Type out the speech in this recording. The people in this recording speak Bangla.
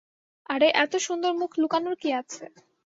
আরে, এত সুন্দর মুখ লুকানোর কী আছে?